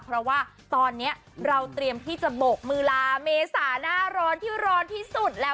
เพราะว่าตอนนี้เราเตรียมที่จะโบกมือลาเมษาหน้าร้อนที่ร้อนที่สุดแล้ว